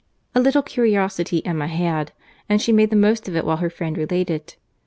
A little curiosity Emma had; and she made the most of it while her friend related.